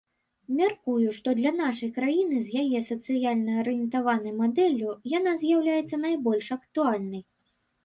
Мяркую, што для нашай краіны з яе сацыяльна арыентаванай мадэллю яна з'яўляецца найбольш актуальнай.